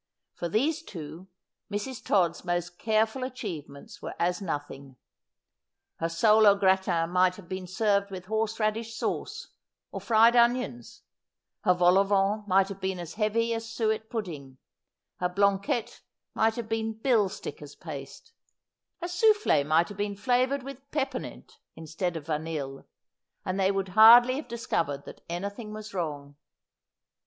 For these two Mrs. Todd's most careful achievements were as nothing. Her mle au gratin might have been served with horse radish sauce — or fried onions ; her vol au vent might have been as heavy as suet pudding ; her blanquette might have been bill sticker's paste ; her sow^e might have been flavoured with peppermint instead ot vamlle ; and they would hardly have discovered that anything was wrong.